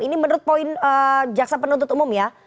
ini menurut poin jaksa penuntut umum ya